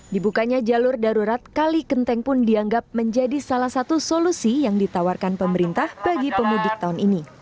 dibukanya jalur darurat kali kenteng pun dianggap menjadi salah satu solusi yang ditawarkan pemerintah bagi pemudik tahun ini